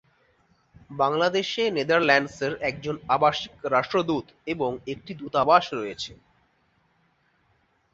বাংলাদেশে নেদারল্যান্ডসের একজন আবাসিক রাষ্ট্রদূত এবং একটি দূতাবাস রয়েছে।